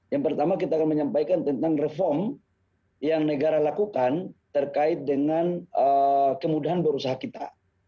yang pertama kita akan menyampaikan tentang reform yang negara lakukan terkait dengan kemudahan berusaha kita